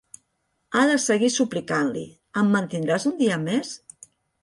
Ha de seguir suplicant-li: Em mantindràs un dia més?